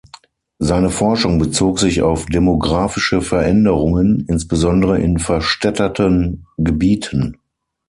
Seine Forschung bezog sich auf demographische Veränderungen, insbesondere in verstädterten Gebieten.